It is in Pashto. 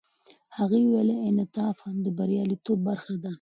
هغه وویل، انعطاف د بریالیتوب برخه ده.